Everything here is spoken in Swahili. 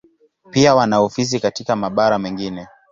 Pia wana ofisi katika mabara mengine.